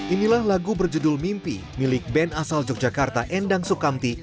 inilah lagu berjudul mimpi milik benasal yogyakarta endang sukamti